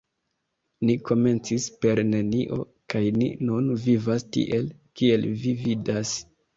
Ni komencis per nenio, kaj ni nun vivas tiel, kiel vi vidas.